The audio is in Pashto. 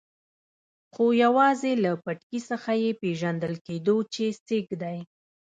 خو یوازې له پټکي څخه یې پېژندل کېدو چې سېک دی.